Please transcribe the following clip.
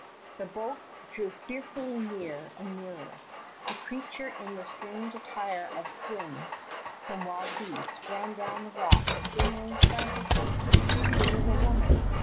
The boat drew fearfully near and nearer. A creature in the strange attire of skins from wild beasts ran down the rocks, signaling frantically. It was a woman.